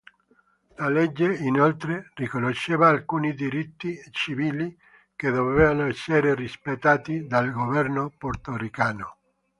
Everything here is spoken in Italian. La legge, inoltre, riconosceva alcuni diritti civili che dovevano essere rispettati dal governo portoricano.